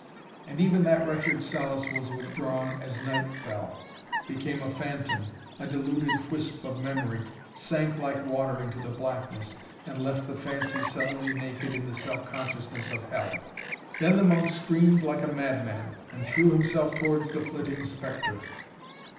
And even that wretched solace was withdrawn as night fell, became a phantom, a diluted whisp of memory, sank like water into the blackness, and left the fancy suddenly naked in the self consciousness of hell. Then the monk screamed like a madman and threw himself towards the flitting spectre.